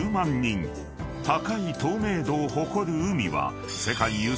［高い透明度を誇る海は］